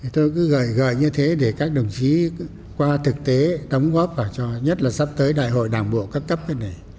tôi cứ gợi gợi như thế để các đồng chí qua thực tế đóng góp vào cho nhất là sắp tới đại hội đảng bộ các cấp cái này